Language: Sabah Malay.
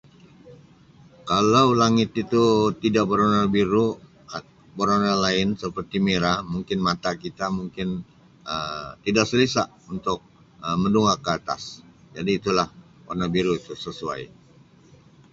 Kalau langit itu tidak bewarna biru bewarna lain seperti merah mungkin mata kita mungkin Um tidak selesa untuk mendongak ke atas jadi itu lah warna biru itu sesuai.